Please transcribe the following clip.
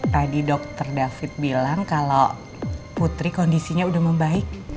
tadi dokter david bilang kalau putri kondisinya sudah membaik